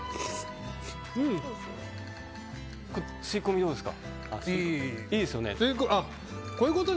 吸い込み、どうですか？